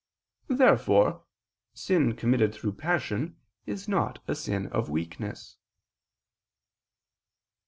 Therefore sin committed through passion is not a sin of weakness.